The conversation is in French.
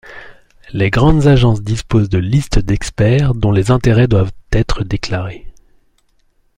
Les grandes agences disposent de listes d’experts dont les intérêts doivent être déclarés.